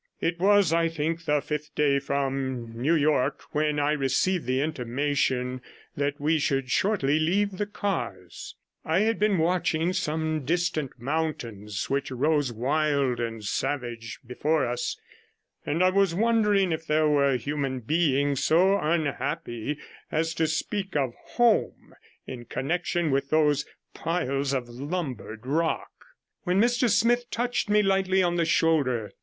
It was, I think, the fifth day from New York when I received the intimation that we should shortly leave the cars; I had been watching some distant mountains which rose wild and savage before us, and I was wondering if there were human beings so unhappy as to speak of home in connection with those piles of lumbered rock, when Mr Smith touched me lightly on the shoulder.